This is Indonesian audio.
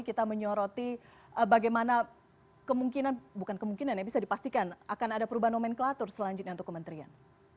kita menyoroti bagaimana kemungkinan bukan kemungkinan ya bisa dipastikan akan ada perubahan nomenklatur selanjutnya untuk kementerian